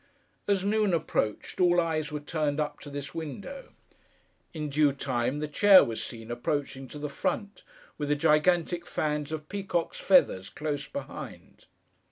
As noon approached, all eyes were turned up to this window. In due time, the chair was seen approaching to the front, with the gigantic fans of peacock's feathers, close behind.